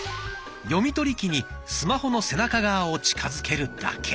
読み取り機にスマホの背中側を近づけるだけ。